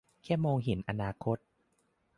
แค่มองเห็นอนาคต